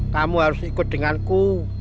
kamu harus ikut denganku